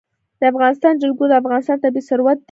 د افغانستان جلکو د افغانستان طبعي ثروت دی.